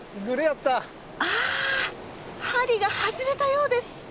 あ針が外れたようです。